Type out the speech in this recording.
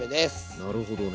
なるほどね。